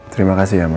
terima kasih ya ma